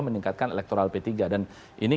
meningkatkan elektoral p tiga dan ini